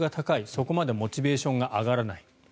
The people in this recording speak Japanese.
そこまでモチベーションが上がらない。